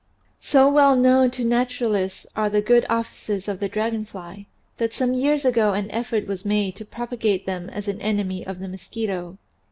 So well known to naturalists are the good offices of the dragon fly that some years ago an effort was made to propa gate them as an enemy of the mosquito.